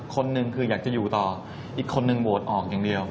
คนหนึ่งคืออยากจะอยู่ต่ออีกคนนึงโหวตออกอย่างเดียว